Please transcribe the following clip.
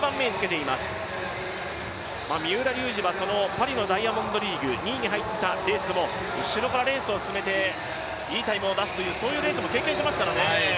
三浦龍司はパリのダイヤモンドリーグ、２位に入ったレースでも後ろからレースを進めていいタイムを出すというレースも経験していますからね。